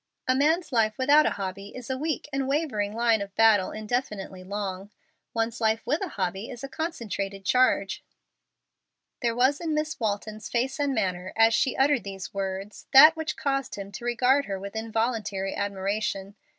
A man's life without a hobby is a weak and wavering line of battle indefinitely long. One's life with a hobby is a concentrated charge." There was in Miss Walton's face and manner, as she uttered these words, that which caused him to regard her with involuntary admiration.